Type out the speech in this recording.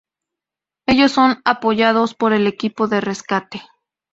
Ellos son apoyados por el Equipo de Rescate.